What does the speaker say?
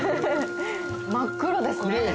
真っ黒ですね。